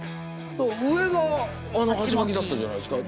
上が鉢巻だったじゃないですか。